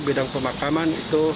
bidang pemakaman itu